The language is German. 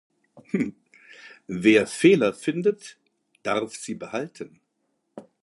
Wer Fehler findet, darf sie behalten?